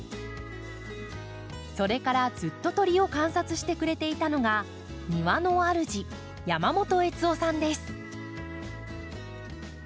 それからずっと鳥を観察してくれていたのが庭のあるじ山本さん。